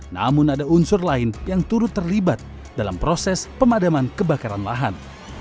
namun ada unsur lain yang turut terlibat dalam proses pemadaman kebakaran lahan